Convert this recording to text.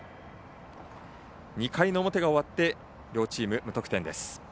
２回の表が終わって両チーム、無得点です。